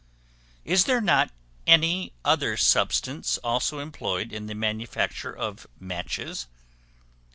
Is there not another substance also employed in the manufacture of matches?